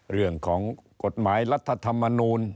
เรื่องของกฎหมายรัฐธรรมนูล